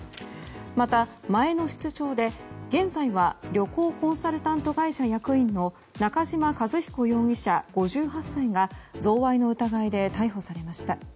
また、前の室長で現在は旅行コンサルタント会社役員の中島和彦容疑者、５８歳が贈賄の疑いで逮捕されました。